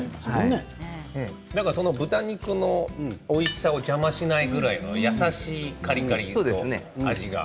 豚肉のおいしさを邪魔じゃないぐらいの優しいカリカリの味が。